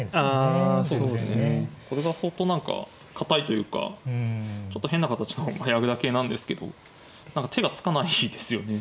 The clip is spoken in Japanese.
あそうですね。これが相当何か堅いというかちょっと変な形の矢倉形なんですけど何か手がつかないですよね。